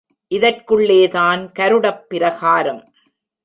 இதற்குள்ளேதான் கருடப் பிரகாரம்.